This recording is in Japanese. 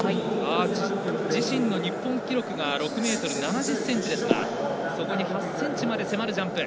自身の日本記録が６ｍ７０ｃｍですがそこに８ｃｍまで迫るジャンプ。